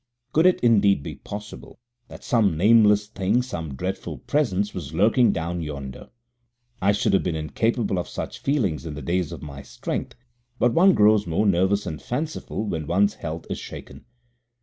Could it indeed be possible that some nameless thing, some dreadful presence, was lurking down yonder? I should have been incapable of such feelings in the days of my strength, but one grows more nervous and fanciful when one's health is shaken.